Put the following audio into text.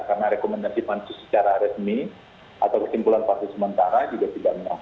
karena rekomendasi pansus secara resmi atau kesimpulan pansus sementara juga tidak menangani